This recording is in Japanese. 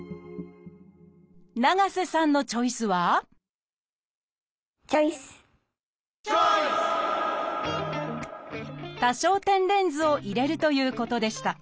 長瀬さんのチョイスはチョイス！を入れるということでした。